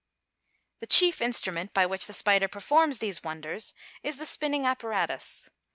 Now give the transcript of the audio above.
] The chief instrument by which the spider performs these wonders is the spinning apparatus.